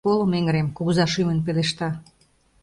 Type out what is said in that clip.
Колым эҥырем! — кугыза шӱмын пелешта.